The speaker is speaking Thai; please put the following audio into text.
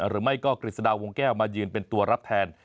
หรือไม่ก็กฤษฎาวงแก้วมายืนเป็นตัวรับแทน